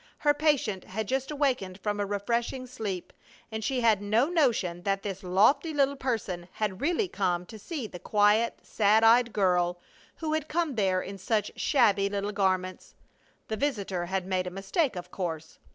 Her patient had just awakened from a refreshing sleep and she had no notion that this lofty little person had really come to see the quiet, sad eyed girl who had come there in such shabby little garments. The visitor had made a mistake, of course.